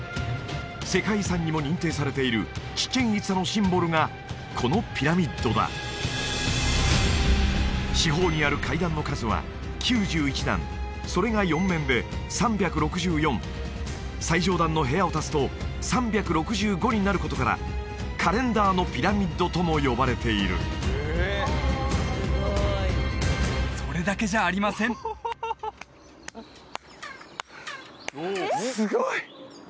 世界遺産にも認定されているチチェン・イツァのシンボルがこのピラミッドだ四方にある階段の数は９１段それが４面で３６４最上段の部屋を足すと３６５になることからカレンダーのピラミッドとも呼ばれているそれだけじゃありませんすごい！